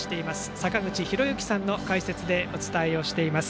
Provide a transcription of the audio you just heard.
坂口裕之さんの解説でお伝えしています。